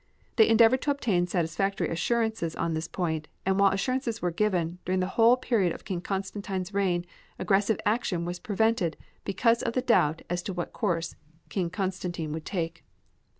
They endeavored to obtain satisfactory assurances on this point, and while assurances were given, during the whole period of King Constantine's reign aggressive action was prevented because of the doubt as to what course King Constantine would take.